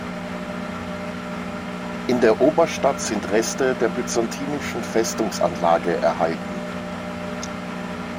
In der Oberstadt sind Reste der byzantinischen Festungsanlage erhalten.